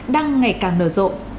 đang ngày càng nở rộ